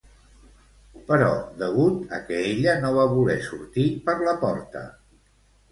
Però degut a que ella no va voler sortir per la porta.